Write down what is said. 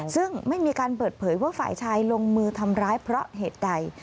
ซึ่งไม่มีการเปิดเผยว่าฝ่ายชายลงมือทำร้ายเพราะเหตุใด